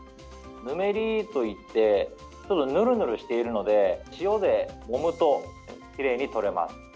ヌメリといってぬるぬるしているので塩でもむときれいにとれます。